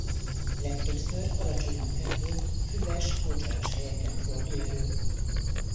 Legtöbbször alacsonyan fekvő füves mocsaras helyeken fordul elő.